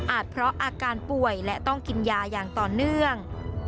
เพราะอาการป่วยและต้องกินยาอย่างต่อเนื่อง